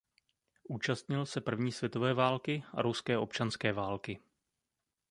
Účastnil se první světové války a ruské občanské války.